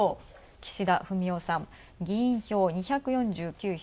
岸田文雄さん、議員票２４９票。